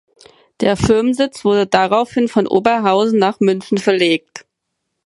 Der Firmensitz wurde daraufhin von Oberhausen nach München verlegt.